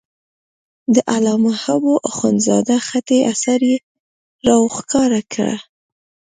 د علامه حبو اخندزاده خطي اثر یې را وښکاره کړ.